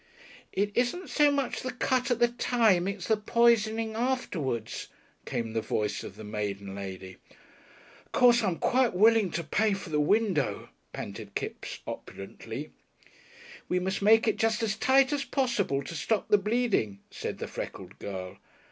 "It isn't so much the cut at the time, it's the poisoning afterwards," came the voice of the maiden lady. "Of course I'm quite willing to pay for the window," panted Kipps opulently. "We must make it just as tight as possible, to stop the bleeding," said the freckled girl.